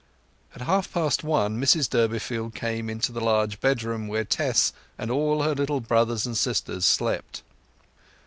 At half past one Mrs Durbeyfield came into the large bedroom where Tess and all her little brothers and sisters slept.